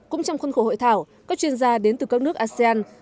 cũng trong khuôn khổ hội thảo các chuyên gia đến từ các nước asean